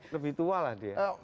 lebih tua lah dia